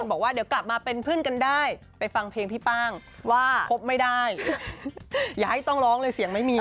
บอกว่าเดี๋ยวกลับมาเป็นเพื่อนกันได้ไปฟังเพลงพี่ป้างว่าคบไม่ได้อย่าให้ต้องร้องเลยเสียงไม่มี